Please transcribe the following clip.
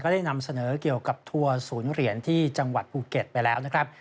ได้นำเสนอเกี่ยวกับทัวร์ศูนย์เหรียญที่จังหวัดภูเก็ตไปแล้วนะครับ